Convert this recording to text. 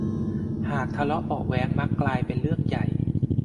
หากทะเลาะเบาะแว้งมักกลายเป็นเรื่องใหญ่